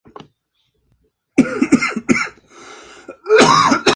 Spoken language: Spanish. El disco fue autoproducido y fue descrito como "divertido y bailable".